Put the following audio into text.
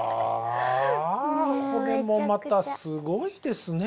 これもまたすごいですね。